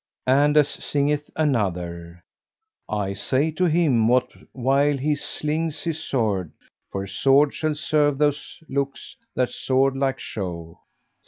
And as singeth another, "I say to him, what while he slings his sword, * 'For sword shall serve those looks that sword like show!'